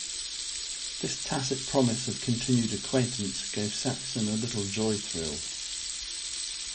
This tacit promise of continued acquaintance gave Saxon a little joy-thrill.